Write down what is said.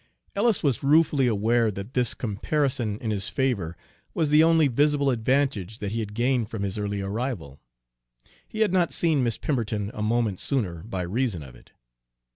Ellis was ruefully aware that this comparison in his favor was the only visible advantage that he had gained from his early arrival. He had not seen Miss Pemberton a moment sooner by reason of it.